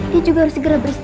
dia juga harus segera berjalan